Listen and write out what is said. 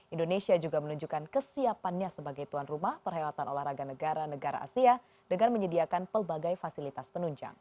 indonesia juga menunjukkan kesiapannya sebagai tuan rumah perhelatan olahraga negara negara asia dengan menyediakan pelbagai fasilitas penunjang